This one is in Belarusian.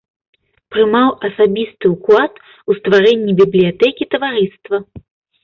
Прымаў асабісты ўклад у стварэнні бібліятэкі таварыства.